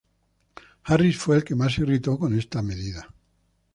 Harris fue el que más se irritó con esa medida.